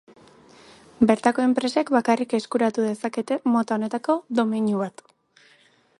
Bertako enpresek bakarrik eskuratu dezakete mota honetako domeinu bat.